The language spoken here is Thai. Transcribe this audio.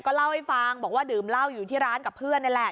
เล่าให้ฟังบอกว่าดื่มเหล้าอยู่ที่ร้านกับเพื่อนนี่แหละ